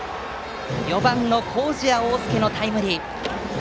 ４番の麹家桜介のタイムリー。